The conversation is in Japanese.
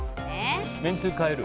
めんつゆ変える？